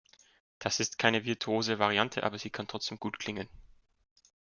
Das ist keine virtuose Variante, aber sie kann trotzdem gut klingen.